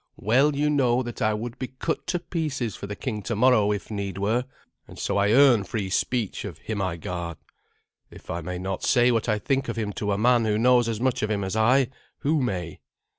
"Well you know that I would be cut to pieces for the king tomorrow if need were, and so I earn free speech of him I guard. If I may not say what I think of him to a man who knows as much of him as I, who may?"